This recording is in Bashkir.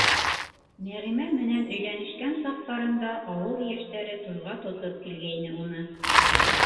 Нәғимә менән өйләнешкән саҡтарында ауыл йәштәре туйға тотоп килгәйне уны.